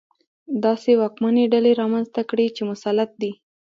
داسې واکمنې ډلې رامنځته کړي چې مسلط دي.